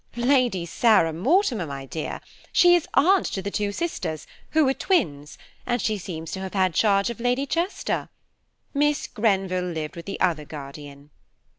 "Lady Sarah Mortimer, my dear. She is aunt to the two sisters, who are twins, and she seems to have had charge of Lady Chester. Miss Grenville lived with the other guardian."